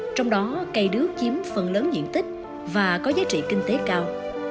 trong đó cây đước chiếm phần lớn diện tích và có giá trị kinh tế cao